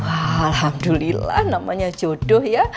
alhamdulillah namanya jodoh ya